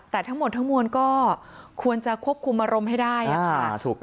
แต่ทั้งหมดทั้งมวลก็ควรจะควบคุมอารมณ์ให้ได้ค่ะ